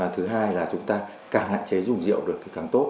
thứ hai là chúng ta càng hạn chế dùng rượu được càng tốt